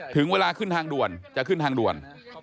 ถึงเวลาขึ้นทางด่วนจะขึ้นทางด่วน